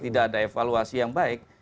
tidak ada evaluasi yang baik